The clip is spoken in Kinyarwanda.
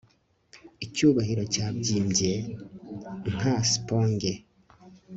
Icyubahiro cyabyimbye nka sponge